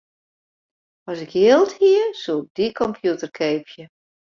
As ik jild hie, soe ik dy kompjûter keapje.